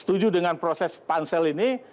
setuju dengan proses pansel ini